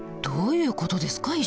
どういうことですか？